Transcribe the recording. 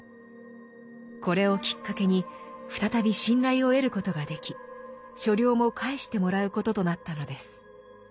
これをきっかけに再び信頼を得ることができ所領も返してもらうこととなったのです。